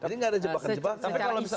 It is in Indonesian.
ini tidak ada jebakan jebakan